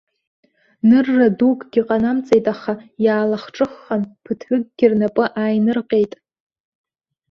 Нырра дукгьы ҟанамҵеит, аха иаалахҿыххан, ԥыҭҩыкгьы рнапы ааинырҟьеит.